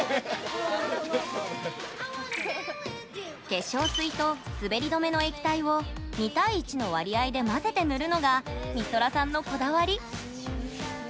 化粧水と滑り止めの液体を２対１の割合で混ぜて塗るのがみそらさんのこだわり。